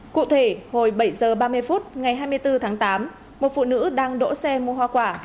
cụ thể hồi bảy h ba mươi phút ngày hai mươi bốn tháng tám một phụ nữ đang đỗ xe mua hoa quả